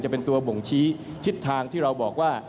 จะเป็นตัวบ่งชี้ทิศทางที่เราบอกว่า